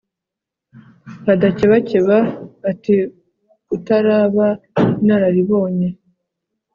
badakebakeba ati utaraba inararibonye